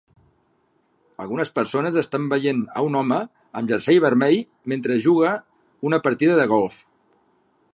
Algunes persones estan veient a un home amb jersei vermell mentre juga una partida de golf.